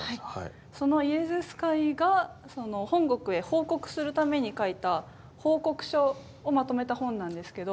そのイエズス会が本国へ報告するために書いた報告書をまとめた本なんですけど。